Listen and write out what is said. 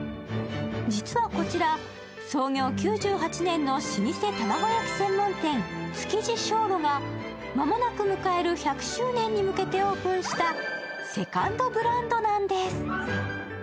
実はこちら、創業９８年の老舗玉子焼き専門店、つきぢ松露が間もなく迎える１００周年を記念してオープンしたセカンドブランドなんです。